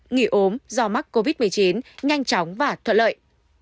nghỉ ốm do mắc covid một mươi chín nhanh chóng và thuận lợi